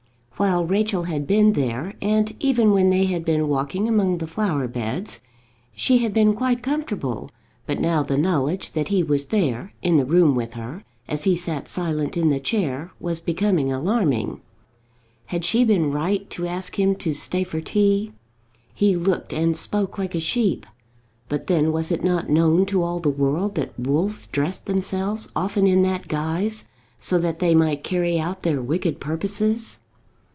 While Rachel had been there, and even when they had been walking among the flower beds, she had been quite comfortable; but now the knowledge that he was there, in the room with her, as he sat silent in the chair, was becoming alarming. Had she been right to ask him to stay for tea? He looked and spoke like a sheep; but then, was it not known to all the world that wolves dressed themselves often in that guise, so that they might carry out their wicked purposes?